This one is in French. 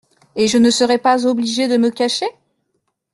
Et je ne serai pas obligé de me cacher ?…